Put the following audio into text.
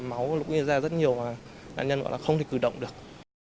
máu lúc ra rất nhiều mà nạn nhân gọi là không thể cử động được